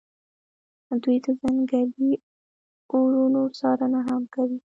دوی د ځنګلي اورونو څارنه هم کوي